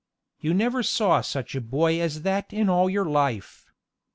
You never saw such a boy as that in all your life.